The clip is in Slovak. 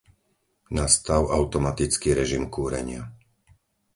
Nastav automatický režim kúrenia.